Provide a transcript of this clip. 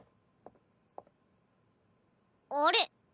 あれ？